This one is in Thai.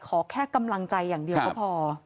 ขอแค่กำลังใจอย่างเดียวก็พอ